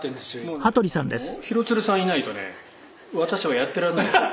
「もうね廣津留さんいないとね私はやってられないですよ」